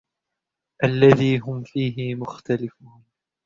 الَّذِي هُمْ فِيهِ مُخْتَلِفُونَ